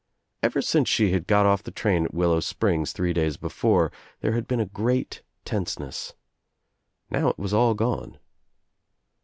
Ever since she had got off the train at Willow Springs three days before there had been a great tenseness. Now it was all gone.